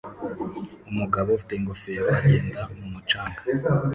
Umugabo ufite ingofero agenda mumucanga